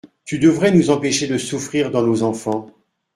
Tu devrais nous empêcher de souffrir dans nos enfants.